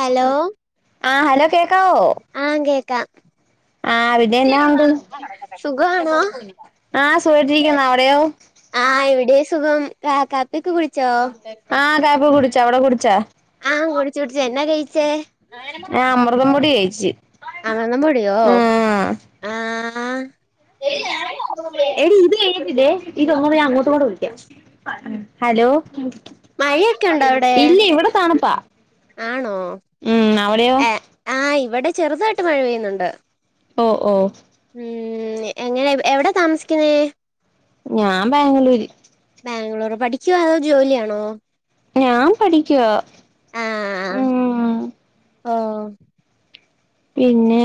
Hello ആഹ hello കേക്കാവോ ആഹ് കേക്കാം ആഹ അവിടെന്നാ ഉണ്ട് സുഖാണോ ആഹ സുഖാട്ടിരിക്കുന്നു അവിടെയോ ആഹ് ഇവിടെയും സുഖം കാ കാപ്പിയൊക്കെ കുടിച്ചോ ആഹ കാപ്പി കുടിച്ചാ അവിടെ കുടിച്ചാ ആഹ കുടിച്ചു കുടിച്ച് എന്നാ കഴിച്ചേ ആഹ് അമൃതം പൊടി കഴിച്ച് അമൃതം പൊടിയോ ആഹ ഞ ഇത് [unintelligible] ഹലോ മഴയൊക്കെ ഉണ്ടോ അവിടെ ഇല്ല ഇവിടെ താണുപ്പാ ആണോ ആഹ ഇവിടെ ചെറുതായിട്ട് മഴ പെയ്യുന്നുണ്ട് ഓ ഓ ഉം എങ്ങനെ എവിടൊ താമസിക്കുന്നേ ഞാൻ ബാംഗ്ലൂര് ബാംഗ്ലൂർ പഠിക്കുവാണോ അതോ ജോലിയാണോ ഞാൻ പഠിക്കുവ ആഹ ഹോ പിന്നെ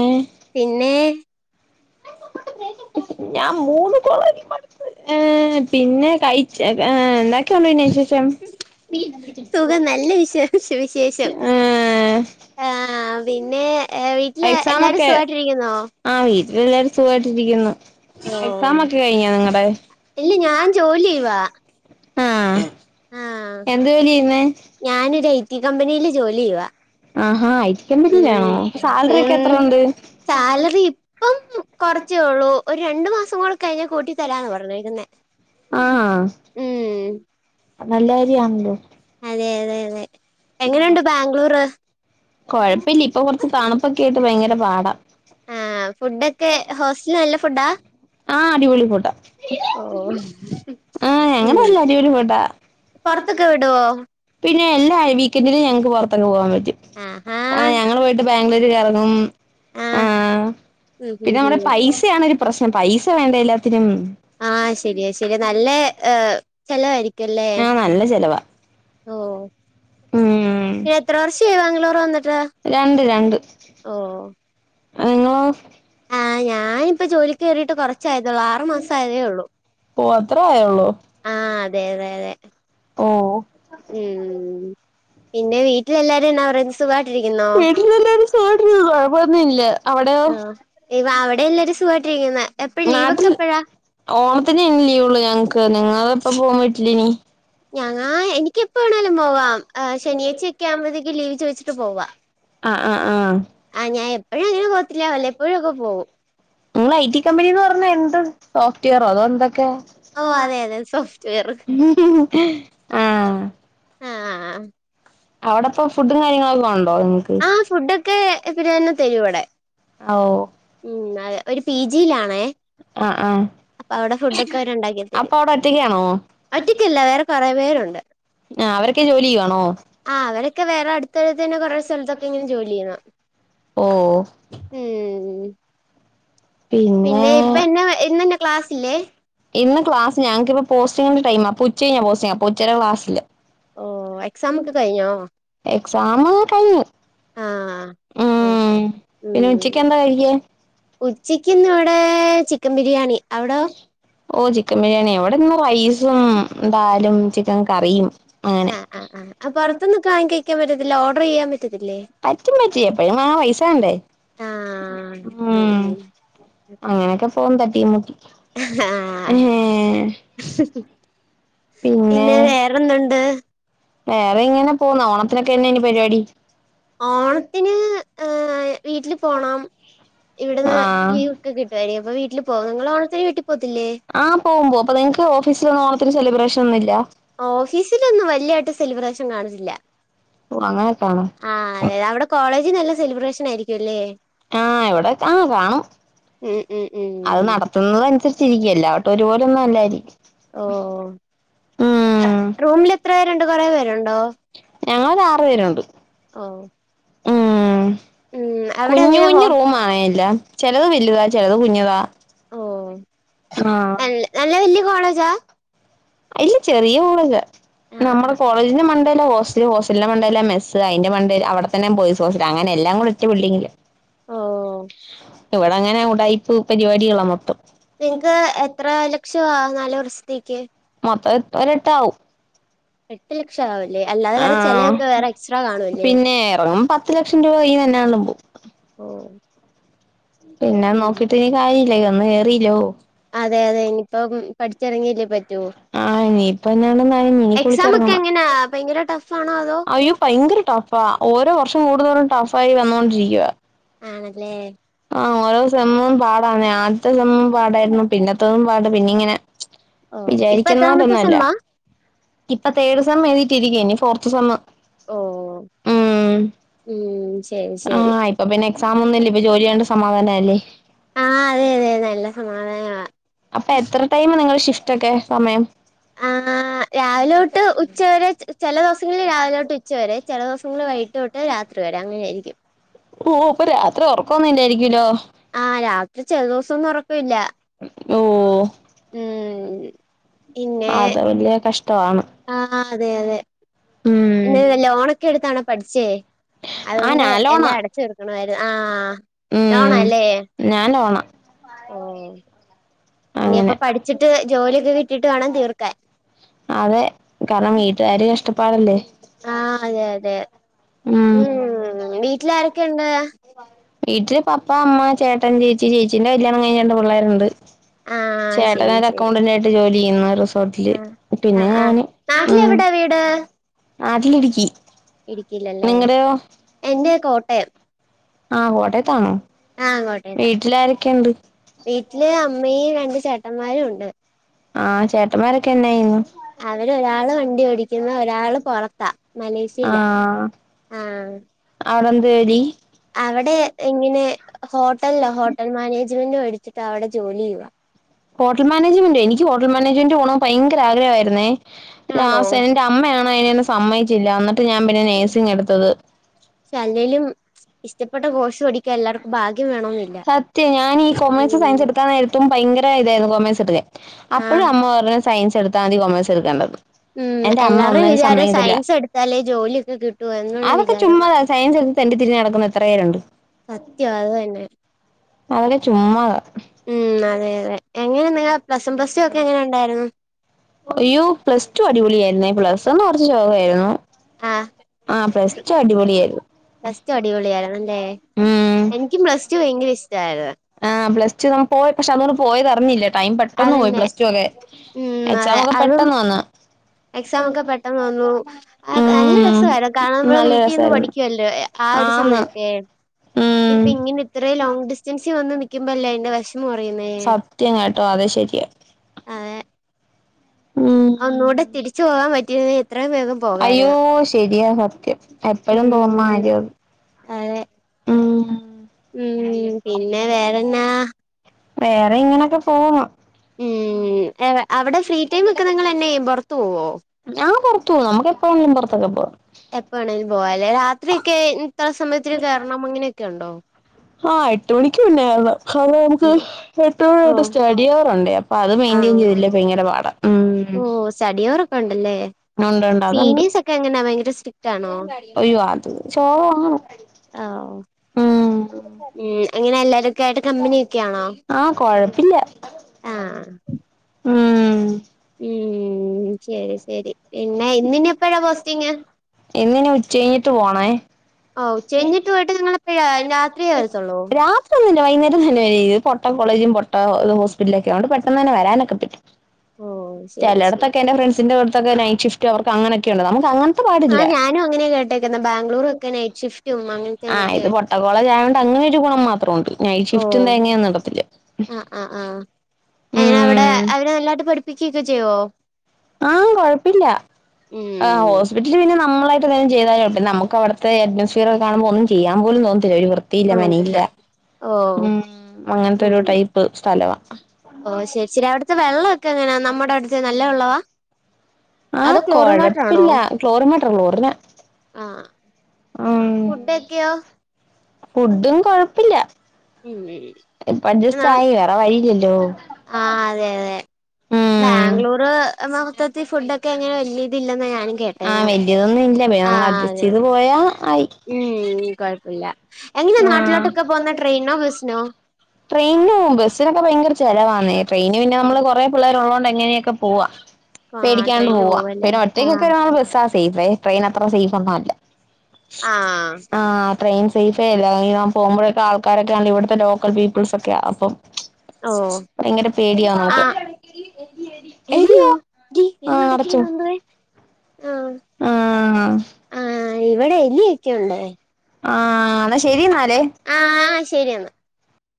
പിന്നെ ഞാൻ മൂന്ന് കോളേജിൽ പഠിച്ച് ഏ പിന്നെ കഴിച്ച എന്ത [unintelligible] സുഖം നല്ല വിശ വിശേഷം ഏഹ് ആഹ പിന്നെ ഏ വീട്ടില് എല്ലാരും സുഖമായിട്ടിരിക്കുന്നോ ആ് വീട്ടിൽെല്ലാവരും സുഖമായിട്ടിരിക്കുന്നു എക്സാാം ഒക്കെ കഴിഞ്ഞ നിങ്ങളടെ ഇല്ല ഞാൻ ജോലി ചെയ്യുവാ ആഹ എന്ത് ജോലി ചെയ്യുന്ന ഞാനൊ ഒരു ഐ ടി കമ്പനിൽ ജോലി ചെയ്യവാ ആഹാ ഐ ടി കമ്പനില്ലാണോ സാലറി ഒക്കെ ഉം എത്ര ഉണ്ട് സാലറി ഇപ്പം കുറച്ചേള്ളൂ ഒരു രണ്ടു മാസം കൂടെ കഴിഞ്ഞ കൂട്ടി തരാന്ന് പറഞ്ഞക്കുന്നെ ആഹ് ഉം നല്ല കാര്യാണല്ലോ അതെ അതെ അതെ എങ്ങനെയുണ്ട് ബാംഗ്ലൂര് കൊഴപ്പില്ല ഇപ്പൊ കൊറച്ച് തണുപ്പൊക്കെ ആയിട്ട് ഭയങ്കര പാടാ ആ ഫുഡൊക്കെ ഹോസ്റ്റലി നല്ല ഫുഡാ ആ അടിപൊളി ഫുഡാ ഓ ആഹ ഞങ്ങടെയെല്ല അടിപൊളി ഫുഡാ പൊറത്തൊക്കെ വിടുവോ പിന്നെ എല്ലാ വീക്കെന്ഡിലുംഞങ്ങൾക്ക് പുറത്തൊക്കെ പോകാൻ പറ്റും ആഹ് ആ ഞങ്ങൾ പോയിട്ട് ബാംഗ്ലൂര് കറങ്ങും ആഹ് ആഹ ഉം പിന്നെ ഉം ഇവിടെ ഉം പൈസയണരു പ്രശ്നം പൈസ വേണ്ട എല്ലാത്തിനും ആഹ ശരിയാ ശരിയാ നല്ല ചെലവായിരിക്കുംല്ലേ ആ നല്ല ചെലവാ ഓ ഉം എത്ര വർഷമായി ബാംഗ്ലൂർ വന്നിട്ട രണ്ട് രണ്ട് ഓ നിങ്ങളോ ആ ഞാനിപ്പപ്പോ ജോലിക്ക് കയറിയിട്ട് കുറച്ചായതേള്ളൂ ആറു മാസം ആയതേ ഉള്ളൂ ഹോ അത്ര ആയള്ളൂ ആഹ അതെ അതെ അതെ ഉം പിന്നെ വീട്ടിലെല്ലാരും എന്നാ പറയുന്നു സുഖായിട്ടിരിക്കുന്നോ വീട്ടിൽല്ലാരും സുഖായിട്ടിരിക്കുന്നു കുഴപ്പമൊന്നുല്ല അവടയോ ആ ഇവ അവടെ എല്ലാരും സുഖായിട്ടിരിക്കുന്ന നാട്ടിൽ ഓണത്തിന് ഇനി ലീവള്ളു ഞങ്ങക്ക് നിങ്ങള എപ്പ പോകൻ പറ്റില്ലനി ഞങ്ങാ എനിക്ക എപ്പാണേലും പോവാം ശനിയാച്ചയ ഒക്കെ ആകുമ്പോഴത്തേക്ക് ലീവ് ചോദിച്ചിട്ട് പോവ ആഹ് ആഹ് ആഹ് ആഹ് ഞാൻ എപ്പോഴും അങ്ങനെ പോത്തില്ല വല്ലപ്പോഴും ഒക്കെ പോകും നിങ്ങള് ഐ ടി കമ്പനനിന്ന് പറഞ്ഞ എന്ത് സോഫ്റ്റ്വെയറോ അതോ എന്തക്കെ ഓ അതെ അതെ സോഫ്റ്റ്വെയർ ആഹ് ആഹ് ആഹ് ആഹ് അവടെ ഇപ്പം ഫുഡും കാര്യങ്ങളൊക്കെ ഉണ്ടോ നിങ്ങക്ക് ആഹ് ഫുഡൊക്കെ [unintelligible] തരു ഇവടെ ഓ ഉം അതെ ഒരു പി ജിയിലാണേ ആ ആ അപ്പൊ അവിടെ ഫുഡ ഒക്കെ അവര് ഉണ്ടാക്കി അപ്പൊ തരും അവിടെ ഒറ്റക്കാണോ ഒറ്റക്കല്ല വേറെ കൊറെ പേരുണ്ട് ആഹ് അവരൊക്കെ ജോലി ചെയ്യുവാണോ ആഹ് അവരൊക്കെ വേറെ അട്ത്തട്ത്തന്നെ കൊറെ സ്ഥലത്തൊക്കെ ഇങ്ങനെ ജോലി ചെയ്യുന്നു ഓ ഉം പിന്നെ ഇപ്പൊ എന്നെ ഇന്നെന്നെ ക്ലാസ്സില്ലേ ഇന്ന് ക്ലാസ് ഞങ്ങക്കിപ്പോ പോസ്റ്റിങ്ങിന്റെ ടൈമാ ഉച്ച കഴിഞ്ഞാ പോസ്റ്റിങ്ങ് അപ്പ ഉച്ചവരെ ക്ലാസ്സില്ല ഓ എക്സാം ഒക്കെ കഴിഞ്ഞോ എക്സാമ് കഴിഞ്ഞ് ആഹ് ഉം പിന്നെ ഉച്ചക്ക് എന്താ കഴിക്കാൻ ഉച്ചക്കിന്നിവിടെ ടെ ചികം ബിരിയാണി അവ്ടോ ഓ ചിക്കൻ ബിരിയാണിയോ ഇവിടിന്ന് റൈസും ദാലും ചിക്കൻ കറിയും അങ്ങനെ ആഹ് ആഹ് ആഹ് അപ്പ പുറത്തൊന്നൊക്കെ വാങ്ങി കഴിക്കാൻ പറ്റത്തില്ല ഓർഡർ ചെയ്യാ പറ്റത്തില്ലേ പറ്റും പറ്റും എപ്പഴും വാങ്ങാൻ പൈസ വേണ്ടേ ആഹ് ഉം ഉം അങ്ങനെയൊക്കെ പോന്ന് തട്ടിയും മുട്ടി ആഹ് ഏ പിന്നെ വേറെന്നുണ്ട് വേറെ ഇങ്ങനെ പോന്നു ഓണത്തിനൊക്കെ എന്ന ഇനി പരിവാടി ഓണത്തിന് ഏ വീട്ടില് പോണം ഇവിടെന്ന് ആഹ് ലീവ് ഒക്കെ കിട്ടുവായിരിക്കും അപ്പ വീട്ടിൽ പോകും നിങ്ങൾ ഓണത്തിന് വീട്ടിൽ പോകത്തില്ലേ ആഹ് പോവും പോവും അപ്പൊ നിങ്ങക്ക് ഓഫീസില് ഒന്നും ഓണത്തിന് സെലിബ്രേഷൻ ഒന്നുല്ല ഓഫീസിലൊന്നും വലിയായിട്ട് സെലിബ്രേഷൻ കാണത്തില്ല ഓഹ് അങ്ങനെയൊക്കെ ആണോ ആഹ്‌ അതെ അവിടെ കോളേജ് നല്ല സെലിബ്രേഷൻ ആയിരിക്കും ല്ലേ ആഹ് ഇവിടെ ആഹ്‌ കാണും ഉം ഉം ഉം അത് നടത്തുന്നുന്നത് അനുസരിച്ചിരിക്കും എല്ലാവട്ടും ഒരു പോലോന്നും അല്ലായിരിക്കും ഓഹ് ഉം റൂമിൽ എത്ര പേരുണ്ട് കുറേ പേരുണ്ടോ ഞങ്ങരു ആറ് പേര്ണ്ട് ഓഹ്‌ ഉം അവിടെ കുഞ്ഞു എങ്ങനെ ഹോ കുഞ്ഞ് റൂം ആണേല്ല ചെലത് വല്താ ചിലത് കുഞ്ഞുതാ ഓ ആഹ്‌ നല്ല നല്ല വല്യ കോളേജാ ഇല്ല ചെറിയ കോളേജ ആഹ് നമ്മടെ ആഹ് കോളേജിന്റെ മണ്ടയില ഹോസ് ഹോസ്ലിന്റെ മണ്ടല്ല മെസ് അയിന്റെ മൻണ്ടെ അവടെത്തന്നെ പോയിസ് ഹോസ്റ്റ അങ്ങനെല്ലാം കൂടി ഒറ്റ ബിൽഡിംഗ് ഓഹ്‌ ഇവടെ അങ്ങനെ ഉടായിപ്പ് പരിപാടികളാ മൊത്തം നിങ്ങക്ക് എത്ര ലക്ഷവാ നാല് വർഷത്തേക്ക്? മൊത്തം എത്ര ഒരെട്ടാവും. എട്ട് ലക്ഷം ആവൂല്ലേ അല്ലാതെ വേറെ ആഹ്‌ ചെലവൊക്കെ വേറെ എക്സ്ട്രാ കാണുവല്ലേ പിന്നെ ഇറങ്ങും പ ത്ത് ലക്ഷം രൂപ യിന്നെന്നാണും പോവും ഓ പിന്നെ ഉം നോക്കിട്ട് ഇനി കാര്യം ഇല്ല വന്ന് കേറീല്ലോ. അതെ അതെ ഇനിപ്പോം പഠിച്ചിറങ്ങില്ലേ പറ്റൂ. ആഹ് ഇനിയിപ്പം ഞാനെന്തായാലും ഇന്ക്ക് എക്സാം ഒക്കെ വിളിച്ചിറങ്ങണം എങ്ങനാ ഭയങ്കര ടഫ് ആണോ അതോ അയ്യോ ഭയങ്കര ടഫാ ഓരോ വർഷം കൂടുതോറും ടഫായി വന്നോണ്ടിരിക്കുവ. ആണല്ലേ.. ആഹ്‌ ഓരോ സെമ്മും പാടന്നെ ആദ്യത്തെ സമ്മും പാടായിരുന്നു പിന്നത്തതും പാട് പിന്നിംങ്ങനെ ഓ ഇപ്പൊ എത്രാമത്തെ വിചാരിക്കുന്നപോലെയൊന്നുമല്ല. സെമ്മാ ഇപ്പൊ തേർഡ് സം എഴുതിട്ടിരിക്കയിനി ഫോർത്ത് സെം ഓഹ്‌ ഉം ശരി ശരി അപ്പ പിന്നെ എക്സാം ഒന്നുല്ല ഇപ്പ ജോലി്യായോണ്ട് സമാധാനംല്ലേ ആഹ് അതെ അതെ നല്ല സമാ അപ്പൊ എത്ര ടൈം നിങ്ങള് ഷിഫ്റ്റ് ഒക്കെ സമയം ആഹ്‌.... ആ രാവിലെോട്ട് ഉച്ചവരെ ചെല ദൊവസങ്ങളിൽ രാവില തൊട്ട് ഉച്ചവരെ ചെല ദൊവസങ്ങളൾ വൈകിട്ട് തൊ ട്ട്‌ രാത്രി വരെ അങ്ങനെ ആയിരിക്കും ഓഹ്‌ അപ്പൊ രാത്രി ഒറക്കം ഒന്നും ഇല്ലായിരിക്കല്ലോ ആഹ്‌ രാത്രി ചെല ദെവസൊന്നും ഒറക്കവില്ല ഓ.. ഉം ആഹ്‌ അത് വല്യ കഷ്ടവാണ് ആഹ്‌ അതെ അതെ പിന്നെ ലോണൊക്കെ എടുത്താണോ പഠിച്ചേ ആ അതൊണ്ട് ഞാൻ ലോണാ എല്ലാം അടച്ചു തീർ ക്കണവായിരുന്നു ആഹ്‌ ഉം ലോണാല്ലേ? ഞാൻ ലോണ. ഓഹ്‌ അങ്ങനെ ഇനിയപ്പം പഠിച്ചിട്ട് ജോലിയൊക്കെ കിട്ടിട്ട് വേണം തീർക്കാൻ അതെ കാരണം വീട്ടുകാര് കഷ്ടപ്പാടല്ലേ ആഹ്‌ അതെ അതെ ഉം വീട്ടിലാരൊക്കെ ഉണ്ട് വീട്ടില് പപ്പാ അമ്മ ചേട്ടൻ ചേച്ചി ചേച്ചീന്റെ കല്യാണം കഴിഞ്ഞ് രണ്ട് പിള്ളേരുണ്ട്. ആഹ് ശരി ചേട്ടനൊരു ശരി അക്കൗണ്ടന്റ് ആയിട്ട് ജോലി ചെയ്യുന്നു റിസോർട്ടില് ആഹ് പിന്നെ ഞാന് ഉം ഡാ നാട്ടിലിടുക്കി ഇടുക്കില്ലല്ലേ നിങ്ങളുടെയോ എന്റെ കോട്ടയം ആഹ കോട്ടയത്താണൊ ആ കോട്ടയത്ത, വീട്ടില് അമ്മയും രണ്ട് ചേട്ടമാരും ഉണ്ട് ആഹ ചേട്ടമാരൊക്കെ എന്നായ്യുന്നു? അവര് ഒരാള് വണ്ടി ഓടിക്കുന്നു ഒരാള് പൊറത്താ മലേഷ്യയിലാ ആഹ ആഹ് അവിടെന്തെടി? അവിടെ ഇങ്ങനെ ഹോട്ടൽലാ ഹോട്ടൽ മാനേജ്മെന്റ് പടിച്ചിട്ട് അവിടെ ജോലി യ്യുവാ. ഹോട്ടൽ മാനേജ്മന്റൊ എനിക്ക് ഹോട്ടൽ മാനേജ്മെന്റ് പോണോ ഭയങ്കര ആഗ്രഹമായിരുന്നേ ആണോ ലാസ്റ്റ് ന്റെ അമ്മയാണെ അയ്നന്നെ സമ്മയ്ച്ചില്ല എന്നിട്ട് ഞാൻ പിന്നെ നഴ്സിംഗ് എടുത്തത് ച്ച് അല്ലേലും ഇഷ്ടപ്പെട്ട കോഴ്സ് പഠിക്കാൻ എല്ലാർക്കും ഭാഗ്യം വേണോന്നില്ല സത്യം ഞാന് ഈ കൊമേഴ്സും സയൻസും ഉം എടുക്കാൻ നേര ത്തും ഭയങ്കര ഇതായിരുന്നു കൊമേഴ്സ് ട്ക്കാൻ ആഹ് അപ്പോഴും അമ്മ പറഞ്ഞ് സയൻസ് എടുത്താതി കോമേഴ്സ്ട്ക്കണ്ടന്ന്. ഉം എല്ലാറയും വിചാരം സയൻസ് എടുത്താലേ ജോലിയൊക്കെ കിട്ടുവ എന്നുള്ള വിചാരവ സയൻസ്ട്ത്ട്ട് തെണ്ടിതിരിന് ന്നടക്ണ എത്ര പേരുണ്ട് ത്യവാ അത്‌തന്നെ അതൊക്കെ ചുമ്മാത ഉം അതെ അതെ എങ്ങനെ നിങ്ങെ പ്ലസും പ്ലസ്റ്റു ഒക്കെ എങ്ങനെ ണ്ടായിരുന്നു അയ്യോ പ്ലസ്റ്റു അടിപൊളിയ ആായിരുന്നേ പ്ലസ് വ ണ്കുറച്ച് ശോഖയിരുന്നു ആഹ് ആഹ പ്ലസ്റ്റു അടിപൊളിയിരുന്നു പ്ലസ് ടൂ അടിപൊളിയാര ന്നല്ലേ ഉം ഇക് ഷ്ടായത് ആപ്ലസ്റ്റുമ്മപോയ് പക്ഷെ തൊടെ പോയത് തറിഞ്ഞില്ലേ ടൈം പെട്ടെന്ന്പോയി അതന്നെ പ്ലസ്റ്റു ക്കെ ഉം എക്സാം അതെ ഒക്കെ അതും പെട്ടെന്ന വന്ന് എക്സാം ഒക്കെ പെട്ടെന്ന് വന്നു അ കെനല്ല ഉം രസമായിരുകാരണം നമ്മളെ നല്ല വീട്ടിൽ നിന്ന് രസായിരുന്നു പഠിക്കുവല്ലോ ആ ഒരു ആന്ന് സമയൊക്കെ ഉം ഇപ്പൊ ഇങ്ങനെ ഇത്രയും ലോങ് ഡിസ്റ്റൻസിൽ വന്ന് ന്നിക്കുമ്പോല്ലേ അന്റെ വിഷമം അറിയുന്നേ ത്യ യിട്ടുംഅത്ശരിയ ഉം ഒന്നുടെ തിരിച്ച് പോവാ ൻ പറ്റിന്നങ്കി എത്രയും വേഗം പോക അയ്യോ ശെരിയ ത്യം എപ്പോഴും തോന്നുന്ന ഉം കാര്യത് അതെ ഉം പിന്നെ വേറെന്നാ വേറെ ഇങ്ങനക്കെ പോവുന്നു ഉം എ അവിടെ ഫ്രീടൈമഒക്കെ നിങ്ങൾന്നെ പുറത്തു പോവോ ഞാപൊറത്തുപോനമുക്ക എപ്പാണെിലും പുറത്തൊക്കെ പോക എപ്പാണെേലും പോവാലേ രാത്രി ഒക്കെ ഇത്ര സമയത്തിന് കെറണം അങ്ങനെയൊക്കെ ഉണ്ടോ ആഹ എട്ട് മണിക്ക് മുന്നാവണം അെ നമുക്ക് ഓ എട്ടാമണിയിട്ട് സ്റ്റഡി അവർുണ്ടഅപ്പൊ അത് മെയിന്റെയിൻ ആണോ ചെയ്തില്ലേ ഭയങ്കര പാടാ ഉം ഓ സ്റ്റഡി യോറൊക്കെ ഉണ്ടല്ലേ ഉണ്ട് ഉണ്ട് അതുണ്ട് സീനേസ് ഒക്കെ എങ്ങനാ ഭയങ്കരസ്ക് റ്റ്ആണോ അയ്യോ അത് ചോറ് വാങ്ങണം ആ ഉ ഉം ഉം അങ്ങനെ എല്ലാരും കേട്ട കമ്പനിയൊക്കൊണോ ആ കൊഴപ്പില്ല ആഹ ഉം ഉം ശരി ശരി പിന്നെ ഇന്നിന് എപ്പഴാ പോസ്റ്റിങ് ഇന്നിനി ഉച്ച കഴിഞ്ഞിട്ട് പോണേ ഓ ഉച്ചകഴിഞ്ഞിട്ട് പോയിട്ട് നിങ്ങളപ്പഴ രാത്രിയേ വരത്തുള്ളൂ ഒന്നില്ല വൈകേരം തന്നെ ഒരുത് പട്ട ന്നുല്ല വയന്നെരം തന്നെ വരുംപൊട്ട കോളേജും പൊട്ട ഹോസ്പിറ്റലും ഒകെ പെട്ടെന്ന് തന്നെ വരാനൊക്കെ പറ്റും ഓ ശരി ശരി ചിലടത്തൊക്കെ എന്റെ ഫ്രണ്ട്സിന്റെ ടുത്തൊക്കെ നൈറ്റ് ഷിഫ്റ്റ് അവർക്ക്ള്ളത നമക് അങ്ങനെ ആഹ ഞാനും അങ്ങനെ കേട്ടേക്കന്ന ബാംഗ്ളുറും ഒക്കെ നൈറ്റ്ഷിഫ്റ്റും അങ്ങനത്തെ ഇതൊക്കെ കോളേജായോണ്ട് അങ്ങനൊരു ഗുണം മാത്രണ്ട് നൈറ്റ് ഓ ഷിഫ്റ്റും തേങ്ങന്നും ഇടത്തില്ല ഏ അവിടെ ഉം അവര് നല്ലായിട്ട് പഠിപ്പിക്കൊക്കെ ചെയ്യോ ആഹ് കൊഴപ്പില്യാ ആഹ് ഹോസ് ഉം പിറ്റലിൽ പിന്നെ നമ്മളായിട്ടെന്തേലും ചെയ്താലോട്ട നമുക്ക് അവിട്ത്തെ അറ്റ്മോസ്ഫിയറൊക്കെ കാണുമ്പോ ഒന്നും ചെയ്യാൻ പോലും തോന്നത്തില്ല ഒര് വൃത്തി വൃത്തി ഇല്ല അറിയത്തില്ല മെനീല്യാ ഓ ഉം അങ്ങൻത്തൊരു ഉം ടൈപ്പ് സ്ഥലവാ ഓ ശെരി ശെരി അവിട്ത്തെ വെള്ളൊക്കെങ്ങനാ നമ്മടെ അവ്ട്ത്തെ നല്ല വെള്ളവാ അതോ ആഹ് ക്ലോറിൻ വാട്ടറാണോ? കൊഴപ്പില്ല ക്ലോറിൻ വാട്ടർ ക്ലോറിന ആഹ് ഉം ഫുഡൊക്കെയോ? ഫുഡും കൊഴപ്പല്ല ഉം ഇപ്പ അഡ്ജസ്റ്റായി വേറെ വഴിയില്ലല്ലോ ആഹ് അതെ അതെ ഉം ബാംഗ്ലൂർ മൊത്തത്തി ഫുഡൊക്കെ ഇങ്ങനെ വല്യ ഇതില്ലെന്നാ ഞാനും കേ ആഹ് വല്യതൊന്നും ഇല്യാ പിന്നമ്മള് അതെ അഡ്ജസ്റ്റെയ്ത് പോയാ ആയി ഉം കൊഴപ്പല്ല എങ്ങനെയാ നാട്ടിലോട്ടൊക്കെ പോന്നെ ട്രെയിനോ ബസിനോ ട്രെയിനോവും ബസ്സിനൊക്കെ ഭയങ്കര ചെിലവാന്നെ ട്രെയിന് പിന്നെ നമ്മള് കൊറെ പുള്ളേര്ള്ളോണ്ട് എങ്ങനെയൊക്കെ പോവാ ആ പേടിക്കാണ്ട് ട്രെയിന് പോവാ പോവല്ലേ പിന്നെ ആ ഒറ്റക്കൊക്കെ ബസ്സ് സേഫ് ട്രെയിൻ അത്ര സേഫൊന്നല്ല ആഹ് ട്രെയിൻ സെയ്ഫെ അല്ല [unintelligible] പോകുമ്പഴൊക്കെ ആൾക്കാരൊക്കെ അല്ലെ ഇവ്ട്ത്തെ ലോക്കൽ പീപ്പിൾസൊക്കെയാ അപ്പം ഓഹ് ഭയങ്കര പേടിയാ നമുക്ക് ആഹ് [inaudible] എലിയാ ആഹ് അടച്ചോ ആഹ് അഹ് ഇവടെ എലിയൊക്കെയുണ്ടേ ആഹ് എന്നാ ശെരി ന്നാല് ശെരി എന്നാ